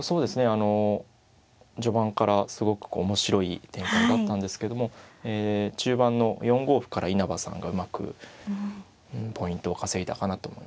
あの序盤からすごく面白い展開だったんですけどもえ中盤の４五歩から稲葉さんがうまくポイントを稼いだかなと思いますね。